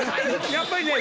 やっぱりね。